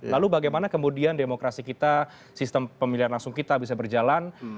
lalu bagaimana kemudian demokrasi kita sistem pemilihan langsung kita bisa berjalan